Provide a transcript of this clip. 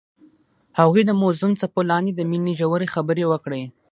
هغوی د موزون څپو لاندې د مینې ژورې خبرې وکړې.